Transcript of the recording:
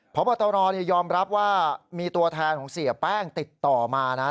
พบตรยอมรับว่ามีตัวแทนของเสียแป้งติดต่อมานะ